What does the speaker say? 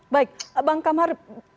baik bang kamar